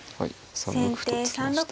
３六歩と突きましたね。